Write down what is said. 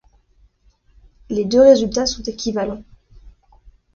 Les deux résultats sont équivalents.